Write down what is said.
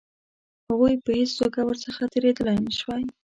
هغوی په هېڅ توګه ورڅخه تېرېدلای نه شوای.